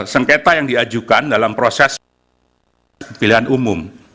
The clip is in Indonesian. sengketa yang diajukan dalam proses pilihan umum